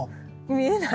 見えない？